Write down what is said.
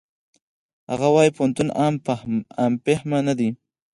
هغه وايي پوهنتون عام فهمه نه ده.